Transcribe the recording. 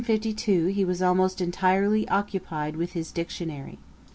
In 1752 he was almost entirely occupied with his Dictionary.